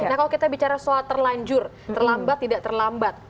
nah kalau kita bicara soal terlanjur terlambat tidak terlambat